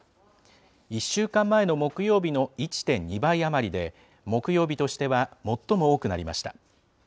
１週間前の木曜日の１．２倍余りで、木曜日としては最も多くなりました。